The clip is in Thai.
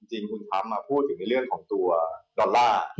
จริงคุณทรัมป์พูดถึงในเรื่องของตัวดอลลาร์